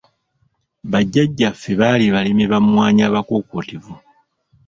Ba Jjajjaffe bali balimi ba mmwanyi abakuukutivu!